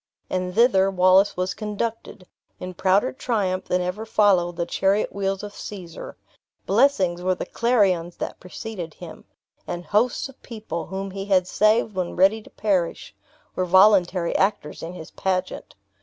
And thither Wallace was conducted, in prouder triumph than ever followed the chariot wheels of Caesar. Blessings were the clarions that preceeded him; and hosts of people, whom he had saved when ready to perish, were voluntary actors in his pageant.